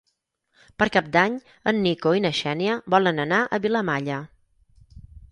Per Cap d'Any en Nico i na Xènia volen anar a Vilamalla.